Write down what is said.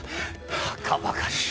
バカバカしい。